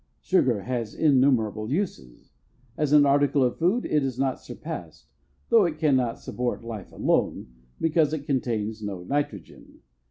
Sugar has innumerable uses. As an article of food it is not surpassed, though it cannot support life alone, because it contains no nitrogen.